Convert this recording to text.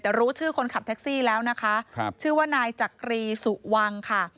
แต่รู้ชื่อคนขับแท็กซี่แล้วนะคะชื่อว่านายจักรีสุวรรณค่ะ